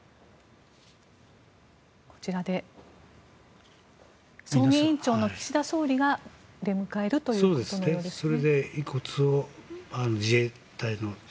こちらで葬儀委員長の岸田総理が出迎えるということのようですね。